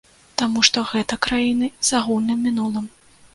Таму што гэта краіны з агульным мінулым.